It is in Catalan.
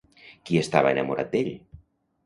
Qui estava enamorat d'ell?